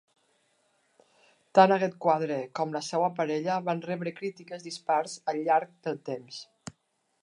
Tant aquest quadre com la seva parella van rebre crítiques dispars al llarg del temps.